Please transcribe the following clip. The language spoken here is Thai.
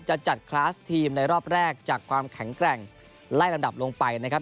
จะจัดคลาสทีมในรอบแรกจากความแข็งแกร่งไล่ลำดับลงไปนะครับ